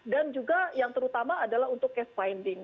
dan juga yang terutama adalah untuk case finding